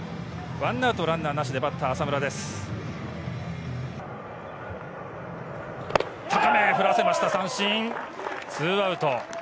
ワンアウトランナーなしで、バッター・浅村です。